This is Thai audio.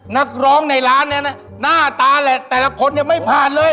นักร้องในร้านเนี่ยนะหน้าตาแหละแต่ละคนเนี่ยไม่ผ่านเลย